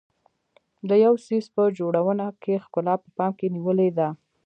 د یو څیز په جوړونه کې ښکلا په پام کې نیولې ده.